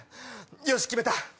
よし決めた！